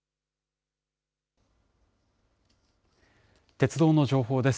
鉄道の情報です。